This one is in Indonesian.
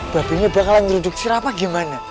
babinya bakalan reduksi rafa gimana